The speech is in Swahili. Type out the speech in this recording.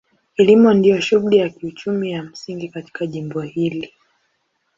Kilimo ndio shughuli ya kiuchumi ya msingi katika jimbo hili.